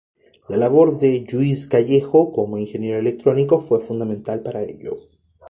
La labor de Lluís Callejo como ingeniero electrónico fue fundamental para ello.